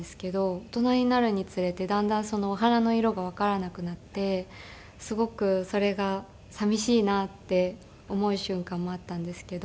大人になるにつれてだんだんそのお花の色がわからなくなってすごくそれが寂しいなって思う瞬間もあったんですけど。